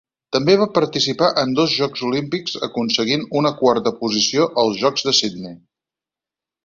També va participar en dos Jocs Olímpics aconseguint una quarta posició als Jocs de Sydney.